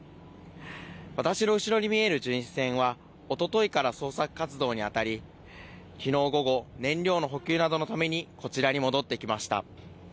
私の後ろに見える巡視船は、おとといから捜索活動に当たり、きのう午後、燃料の補給などのために、こちらに戻ってきました。